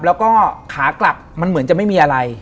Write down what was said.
แล้วก็ขากลับมันเหมือนจะไม่มีอะไร